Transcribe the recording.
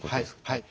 はい。